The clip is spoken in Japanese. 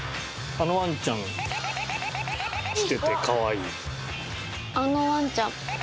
あのワンちゃんしてて可愛い。